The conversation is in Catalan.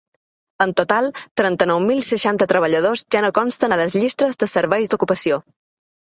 En total, trenta-nou mil seixanta treballadors ja no consten a les llistes dels serveis d’ocupació.